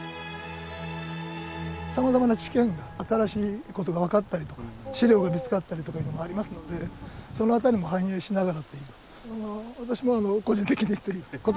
さまざまな知見が新しいことが分かったりとか史料が見つかったりとかいうのもありますのでその辺りも反映しながら。